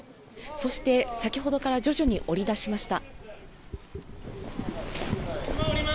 そして、先ほどから徐々に下りだしました。